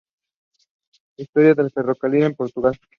Historia del ferrocarril en Portugal